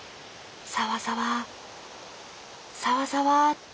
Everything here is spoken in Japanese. サワサワサワサワって。